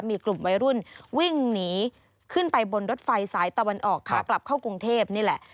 มีกลุ่มวัยรุ่นวิ่งหนีขึ้นไปบนรถไฟสายตะวันออกขากลับเข้ากรุงเทพนี่แหละ